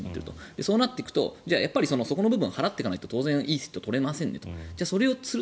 そうなっていくとそこの部分を払って行かないと当然いい人が取れませんと。